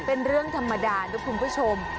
เป็นเรื่องธรรมดานะคุณผู้ชม